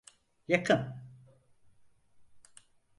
Yakın…